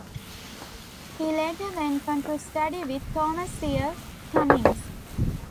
He later went on to study with Thomas Seir Cummings.